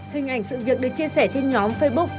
hình ảnh sự việc được chia sẻ trên nhóm facebook